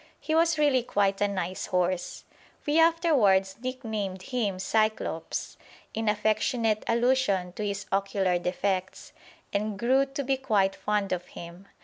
He was really quite a nice horse. We afterwards nicknamed him Cyclops, in affectionate allusion to his ocular defects, and grew to be quite fond of him.